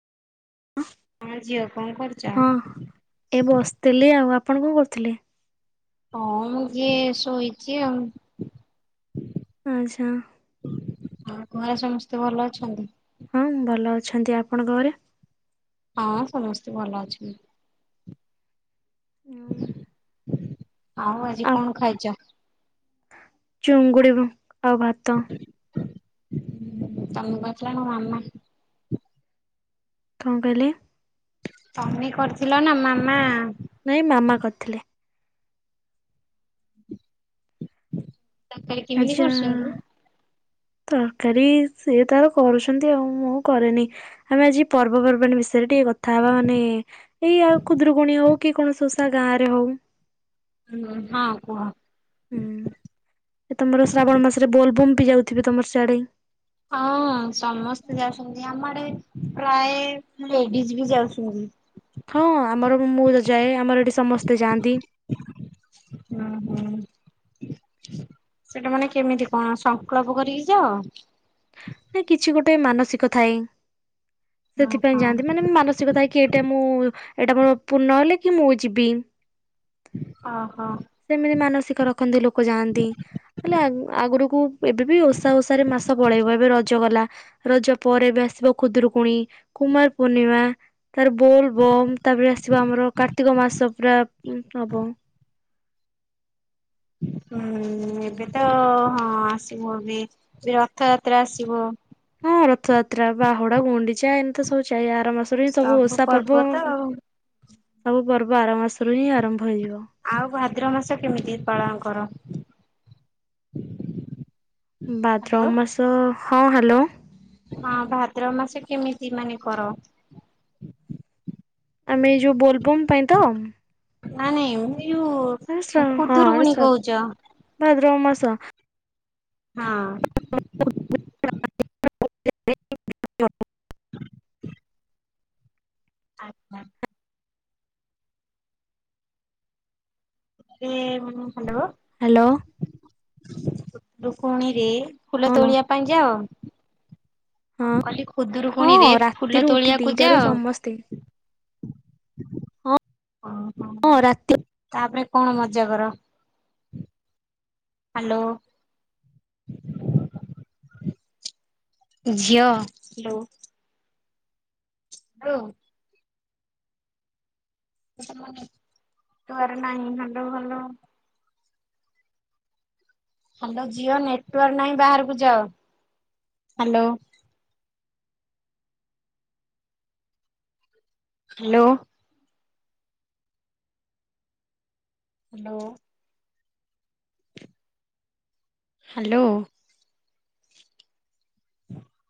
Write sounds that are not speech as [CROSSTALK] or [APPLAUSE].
ଆ ଝିଅ କଣ କରୁଛ? ହଁ ଏ ବସିଥିଲି ଆଉ ଆପଣ କଣ କରୁଥିଲେ? ହଁ ମୁଁ ଯିଏ ଶୋଇଚି ଆଉ। ଆଚ୍ଛା ଆଉ ଘରେ ସମସ୍ତେ ଭଲ ଅଛନ୍ତି? ହଁ ଭଲ ଅଛନ୍ତି ଆପଣଙ୍କ ଘରେ? ହଁ ସମସ୍ତେ ଭଲ ଅଛନ୍ତି। ଆଉ ଆଜି ଆ କଣ ଖାଇଚ? ଚୁଙ୍ଗୁଡ଼ି ରୁ ଆଉ ଭାତ। ତମେ କରିଛ ନ ମାମା। କଣ କଇଲେ? ତମି କରିଥିଲ ନା ମାମା? ନାଇଁ ମାମା କରିଥିଲେ। ତରକାରୀ କେମିତି ଆଚ୍ଛା। କରୁଛନ୍ତି? ତରକାରୀ ସେ ତାର କରୁଛନ୍ତି ଆଉ ମୁଁ କରେନି ଆମେ ଆଜି ପର୍ବପର୍ବାଣି ବିଷ ରେ ଟିକେ କଥା ହବା ମାନେ ଏଇ ଆଉ ଖୁଦୁରୁକୁଣୀ ହଉ କି କୈଣସି ଓଷା ଗାଁ ରେ ହଉ। ହଁ କୁହ। ହୁଁ ଏ ତମର ଶ୍ରାବଣ ମାସରେ ବୋଲବମ୍ ବି ଯାଉଥିବେ ତମର ସିଆଡେ। ହଁ ସମସ୍ତେ ଯାଉଛନ୍ତି ଆମଆଡେ ପ୍ରାୟ ଲେଡିଜ ବି ଯାଉଛନ୍ତି। ହଁ ଆମର ମୁଁ ତ ଯାଏ ଆମର ଏଠି ସମସ୍ତେ ଯାଆନ୍ତି। ହୁଁ ହୁଁ। ସେଟା ମାନେ କେମିତି କଣ ସଂକଳ୍ପ କରିକି ଯାଅ। ନା କିଛି ଗୋଟେ ମାନସିକ ଥାଏ ସେଥିପାଇଁ ଓହୋ ଯାଆନ୍ତି। ମାନେ ମାନସିକ ପାଇଁ। କି ଏଇଟା ମୁଁ ଏଇଟା ମୋର ପୂର୍ଣ୍ଣ ହେଲେ କି ମୁଁ ଯିବି। ଓ ହ। ସେମିତି ମାନସିକ ରଖନ୍ତି ଲୋକ ଯାଆନ୍ତି। ହେଲେ ଆଗରୁକୁ ଏବେ ବି ଓଷା ଓଷାରେ ମାସ ପଳେଇବ ଏବେ ର ରଜ ଗଲା ରଜ ପରେ ବି ଆସିବ ଖୁଦରୁକୁଣୀ କୁମାର ପୂର୍ଣ୍ଣିମା ତାର ବୋଲ୍ ବମ୍ ତାପରେ ଆସିବା ଆମର କାର୍ତ୍ତିକ ମାସ ପୁର ହବ ହୁଁ ଏବେ ତ ହଁ ଆସିବ ଏବେ ଏ ରଥଯାତ୍ରା ଆସିବ। ହଁ ରଥଯାତ୍ରା ବାହୁଡା ଗୁଣ୍ଡିଚା ଏମିତି ସବୁ ଚା ଆର ମାସ ହିଁ ସବୁ ଓଷା ପର୍ବ ସବୁ ପର୍ବ ଆର ମାସରୁ ହିଁ ଆରମ୍ଭ ହେଇଯିବ। ଆଉ ଭାଦ୍ରବ ମାସ କେମିତି ପାଳନ କର? ଭାଦ୍ରବ ହ୍ୟାଲୋ ମାସ ହଁ ହ୍ୟାଲୋ। ହଁ ଭାଦ୍ରବ ମାସ କେମିତି ମାନେ କର? ଆମେ ଏଇ ଯଉ ବୋଲବମ୍ ପାଇଁ ତ? ନାଇଁ ନାଇଁ ମୁଁ ଯୋଉ ଖୁଦରୁ କୁଣି କହୁଛ। ଭଦ୍ର ମାସ ହଁ। [UNINTELLIGIBLE] ହ ହ ଏ ହଲ। ହ୍ୟାଲୋ ରୁକୁଣୀରେ ଫୁଲ ତୋଳିବା ହଁ ପାଇଁ ଯାଅ। କଣ କିଲି ଖୁଦୁରୁକୁଣୀ ରେ ହଁ ଫୁଲ ରାତିରୁ ଉଠି ତୋଳିଆକୁ ଦିଟାରୁ ଯାଅ? ସମସ୍ତେ ହଁ ଓହୋ ହଁ ରାତି ତାପରେ କଣ ମଜା କର? ହ୍ୟାଲୋ ଝିଅ ହଲୋ। ହଁ ତୁଆର ନାହିଁ ହେଲୋ ହେଲୋ ହ୍ୟାଲୋ ଝିଅ ନେଟୱାର୍କ ନାହିଁ ବାହାରକୁ ଯାଅ ହ୍ୟାଲୋ। ହ୍ୟାଲୋ ହ୍ୟାଲୋ ହ୍ୟାଲୋ ହୁଁ